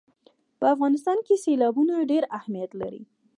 په افغانستان کې سیلابونه ډېر اهمیت لري.